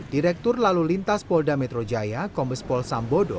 direktur lalu lintas polda metro jaya kombes pol sambodo